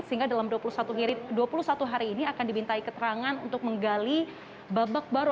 sehingga dalam dua puluh satu hari ini akan dimintai keterangan untuk menggali babak baru